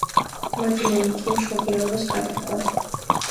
მადლენი კი მშობიარობას გადაჰყვა.